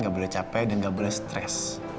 gak boleh capek dan gak boleh stress